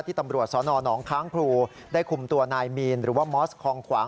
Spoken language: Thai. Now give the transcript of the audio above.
ตำรวจสนหนองค้างพลูได้คุมตัวนายมีนหรือว่ามอสคองขวาง